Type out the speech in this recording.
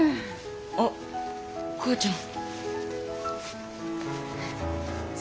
あっ母ちゃん。